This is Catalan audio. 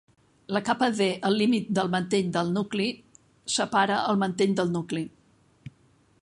La capa D al límit del mantell del nucli separa el mantell del nucli.